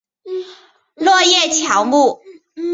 落叶乔木。